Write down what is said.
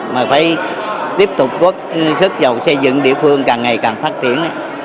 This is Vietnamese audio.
mà phải tiếp tục có sức giàu xây dựng địa phương càng ngày càng phát triển